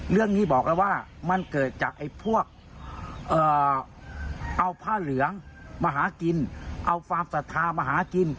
เรื่องนี้บอกแล้วว่ามันเกิดจากไอ้พวกเอาผ้าเหลืองมาหากินเอาความศรัทธามาหากิน